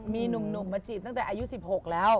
มีหนุ่มมาจีบตั้งแต่อายุ๑๖แล้ว